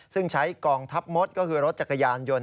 ซึ่งใช้กองทัพมดก็คือรถจักรยานยนต์